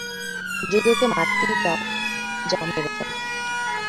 যদি ওকে মারতেই চাও, যাও মেরে ফেলো!